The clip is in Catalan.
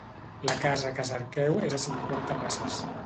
La casa que cerqueu és a cinquanta passes.